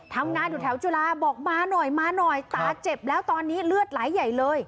ทำงานอยู่แถวจุฬาบอกมาหน่อยมาหน่อยตาเจ็บแล้วตอนนี้เลือดไหลใหญ่เลย